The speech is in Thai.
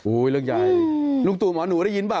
โอ้ยเรื่องยายลูกตู่หมอหนูได้ยินป่ะ